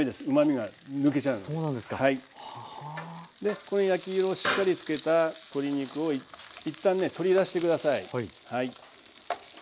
この焼き色をしっかりつけた鶏肉を一旦ね取り出して下さい。